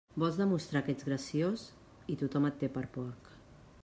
Vols demostrar que ets graciós i tothom et té per porc.